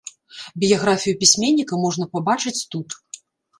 Біяграфію пісьменніка можна пабачыць тут.